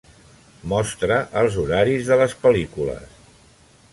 Mostra els horaris de les pel·lícules